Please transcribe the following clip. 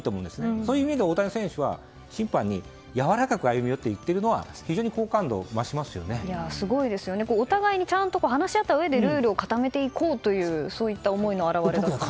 そういう意味では、大谷選手は審判にやわらかく歩み寄っているのはすごいですよね、お互いにちゃんと話し合ったうえでルールを固めていこうという思いの表れなのかもしれません。